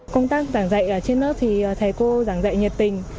công tác giảng dạy ở trên lớp thì thầy cô giảng dạy nhiệt tình